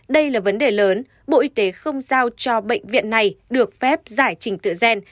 đây là vấn đề lớn bộ y tế không giao cho bệnh viện này được phép giải trình tự gen